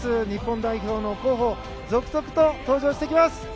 日本代表が続々と登場してきます。